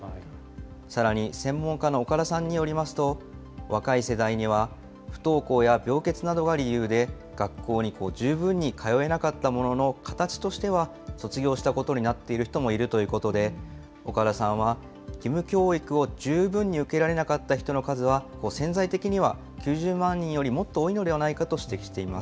さらに専門家の岡田さんによりますと、若い世代には不登校や病欠などが理由で、学校に十分に通えなかったものの、形としては卒業したことになっている人もいるということで、岡田さんは、義務教育を十分に受けられなかった人の数は、潜在的には９０万人よりもっと多いのではないかと指摘しています。